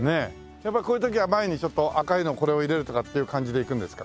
やっぱりこういう時は前にちょっと赤いのこれを入れるとかっていう感じでいくんですか？